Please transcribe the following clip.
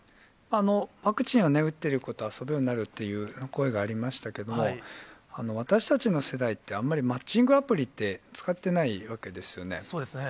ワクチンを打ってる子と遊ぶようになるという声がありましたけれども、私たちの世代って、あんまりマッチングアプリって使ってないわけですよね。